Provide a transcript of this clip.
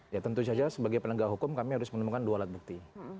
ya tentu saja sebagai penegak hukum kami harus menemukan dua alat bukti